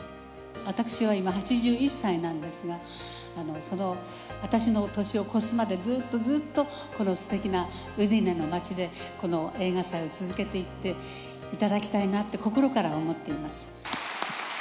私は今、８１歳なんですが、その私の年を超すまで、ずっとずっと、このすてきなウディネの街で、この映画祭を続けていっていただきたいなって、心から思っています。